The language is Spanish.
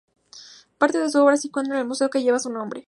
Parte de su obra se encuentra en el museo que lleva su nombre.